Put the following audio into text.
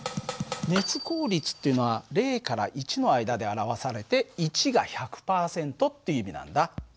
熱効率っていうのは０から１の間で表されて１が１００％っていう意味なんだ。